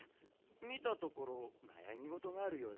みたところなやみごとがあるようだが？